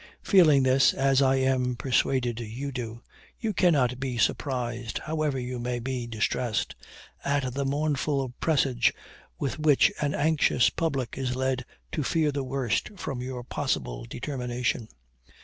Feeling this, as I am persuaded you do, you cannot be surprised, however you may be distressed, at the mournful presage with which an anxious public is led to fear the worst from your possible determination.